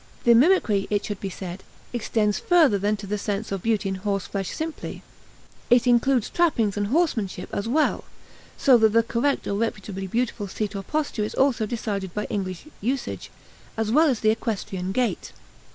The mimicry, it should be said, extends further than to the sense of beauty in horseflesh simply. It includes trappings and horsemanship as well, so that the correct or reputably beautiful seat or posture is also decided by English usage, as well as the equestrian gait.